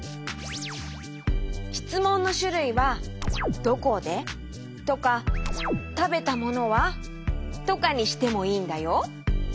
しつもんのしゅるいは「どこで？」とか「たべたものは？」とかにしてもいいんだよ。